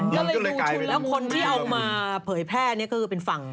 ก็เลยลุงชุดแล้วคนที่เอามาเผยแพทย์เนี่ยก็เป็นฝั่ง